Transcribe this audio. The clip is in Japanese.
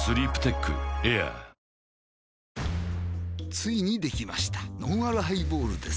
ついにできましたのんあるハイボールです